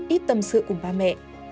ít tâm sự cùng ba mẹ